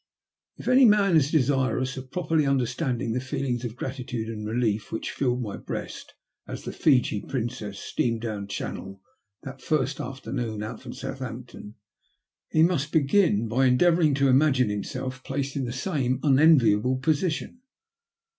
IF any man is desirous of properly understanding the feelings of gratitude and relief which filled my breast as the Fiji Princess steamed down channel that first afternoon out from Southampton, he mnst begin by endeavouring to imagine himself placed in the same unenviable position.